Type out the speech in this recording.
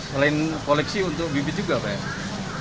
selain koleksi untuk bibit juga pak ya